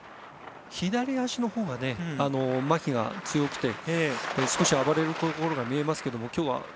左足のほうがまひが強くて少し暴れるところが見えますが。